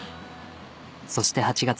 そして８月。